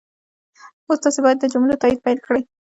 اوس تاسو باید د جملو تایید پيل کړئ.